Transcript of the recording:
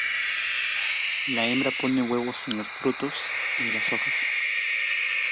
La hembra pone huevos en los frutos y las hojas.